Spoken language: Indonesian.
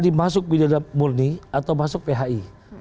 dimasuk pidana murni atau masuk phi